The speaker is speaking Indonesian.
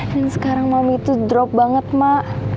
dan sekarang mami itu drop banget mak